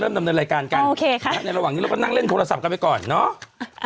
ดำเนินรายการกันโอเคค่ะในระหว่างนี้เราก็นั่งเล่นโทรศัพท์กันไปก่อนเนาะ